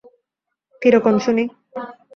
কিরকম, শুনি!